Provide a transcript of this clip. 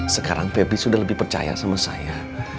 sekarang baby sudah lebih percaya sama saya